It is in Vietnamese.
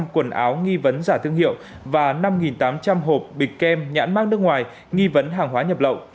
năm trăm linh quần áo nghi vấn giả thương hiệu và năm tám trăm linh hộp bịt kem nhãn mát nước ngoài nghi vấn hàng hóa nhập lậu